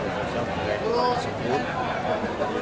sosial pengembangan tersebut